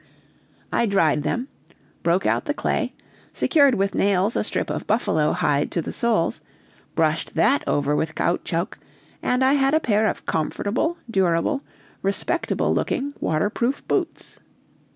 I dried them, broke out the clay, secured with nails a strip of buffalo hide to the soles, brushed that over with caoutchouc, and I had a pair of comfortable, durable, respectable looking waterproof boots.